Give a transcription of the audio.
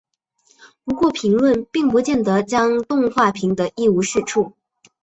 不过评论并不见得将动画评得一无是处。